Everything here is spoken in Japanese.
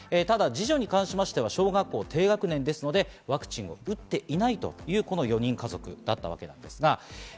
ただ二女に関しては小学校低学年ですのでワクチンを打っていないというこの４人家族だったわけです。